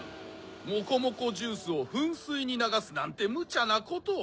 モコモコジュースをふんすいにながすなんてむちゃなことを。